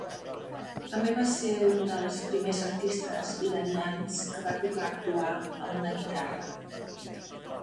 També va ser un dels primers artistes iranians que va tocar actuar amb una guitarra.